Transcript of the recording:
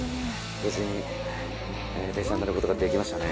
無事に電車に乗ることができましたね。